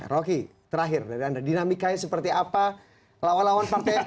rocky terakhir dari anda dinamikanya seperti apa lawan lawan partai